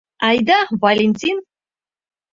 Айда, Валентин.